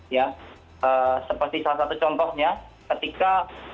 ya seperti salah satu contohnya ketika